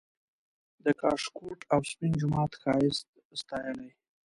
د کاشکوټ او سپین جومات ښایست ستایلی